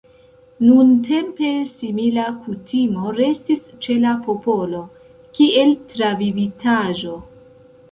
Nuntempe simila kutimo restis ĉe la popolo, kiel travivitaĵo.